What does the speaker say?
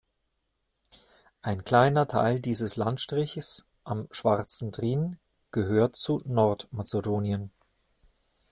Ein kleiner Teil dieses Landstrichs am Schwarzen Drin gehört zu Nordmazedonien.